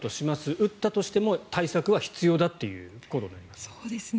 打ったとしても対策は必要だということですね。